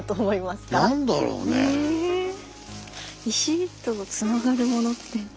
石とつながるものって。